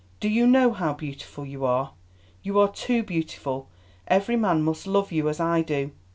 Do you know how beautiful you are? You are too beautiful—every man must love you as I do.